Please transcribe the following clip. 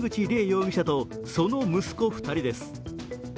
容疑者とその息子２人です。